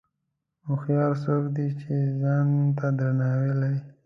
هوښیار څوک دی چې ځان ته درناوی لري.